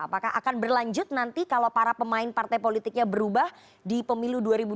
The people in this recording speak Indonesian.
apakah akan berlanjut nanti kalau para pemain partai politiknya berubah di pemilu dua ribu dua puluh